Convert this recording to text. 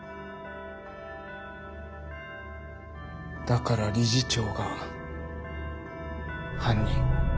だから理事長が犯人。